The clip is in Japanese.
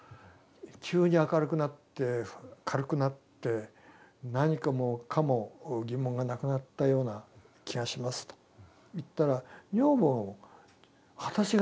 「急に明るくなって軽くなって何もかも疑問がなくなったような気がします」と言ったら女房も「私もそうなってる」って言う。